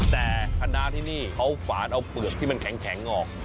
แต่คณะที่นี่เขาฝานเอาเปลือกที่มันแข็งออก